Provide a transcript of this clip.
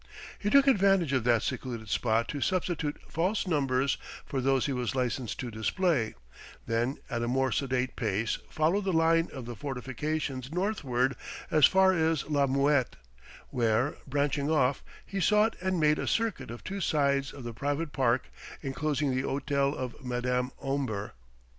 He took advantage of that secluded spot to substitute false numbers for those he was licensed to display; then at a more sedate pace followed the line of the fortifications northward as far as La Muette, where, branching off, he sought and made a circuit of two sides of the private park enclosing the hôtel of Madame Omber.